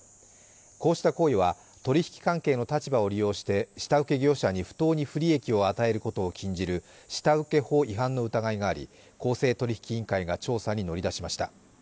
こうした行為は取引関係の立場を利用して下請け業者に不当に不利益を与えることを禁じる下請け法違反の疑いがあり公正取引委員会が調査に乗り出しました。